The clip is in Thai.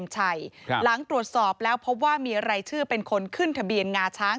หลังตรวจสอบแล้วพบว่ามีรายชื่อเป็นคนขึ้นทะเบียนงาช้าง